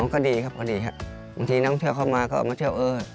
ก็ดีครับบางทีน้องเที่ยวเข้ามาเข้ามาเที่ยว